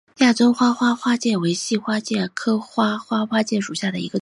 亚洲花花介为细花介科花花介属下的一个种。